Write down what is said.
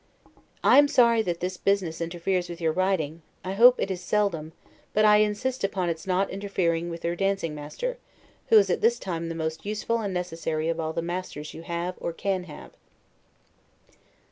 I am sorry that this business interferes with your riding; I hope it is seldom; but I insist upon its not interfering with your dancing master, who is at this time the most useful and necessary of all the masters you have or can have.